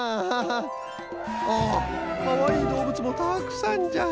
ああかわいいどうぶつもたくさんじゃ。